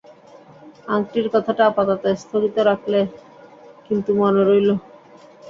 আংটির কথাটা আপাতত স্থগিত রাখলে, কিন্তু মনে রইল।